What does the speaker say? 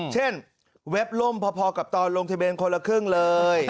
เว็บล่มพอกับตอนลงทะเบียนคนละครึ่งเลย